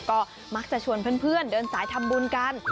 ก็มักจะชวนเพื่อนเดินสายทำบุญกัน